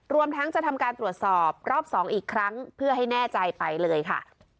รวมทั้งจะทำการตรวจสอบรอบ๒อีกครั้งเพื่อให้แน่ใจไปเลยค่ะ